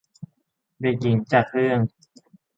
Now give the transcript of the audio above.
เด็กหญิงจากเรื่อง